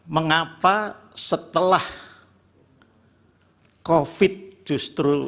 mengapa setelah covid justru